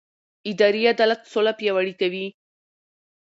اداري عدالت سوله پیاوړې کوي